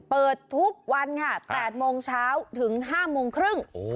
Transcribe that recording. เปิดทุกวันค่ะ๘โมงเช้าถึง๕โมงครึ่ง